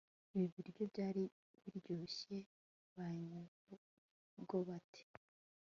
ibi biryo byari biryoshye Banyirurugo bati